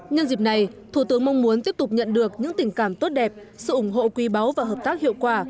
nhân dịp này thủ tướng mong muốn tiếp tục nhận được những tình cảm tốt đẹp sự ủng hộ quý báu và hợp tác hiệu quả